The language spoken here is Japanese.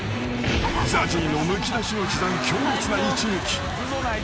［ＺＡＺＹのむき出しの膝に強烈な一撃］